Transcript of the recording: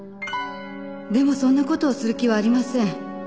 「でもそんな事をする気はありません」